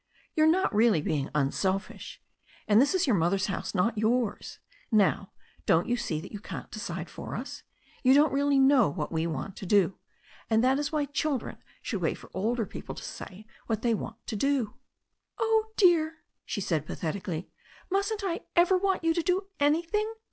You are not really being unselfish. And this is your mother's house, not yours. Now, don't you see that you can't decide for us. You don't really kA>w what we want to do. And that is why children should wait for older people to say what they want to do." "Oh, dear," she said pathetically, "mustn't I ever want you to do anything?"